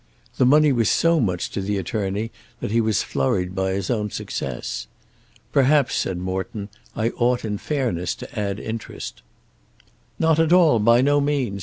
The money was so much to the attorney that he was flurried by his own success. "Perhaps," said Morton, "I ought in fairness to add interest." "Not at all; by no means.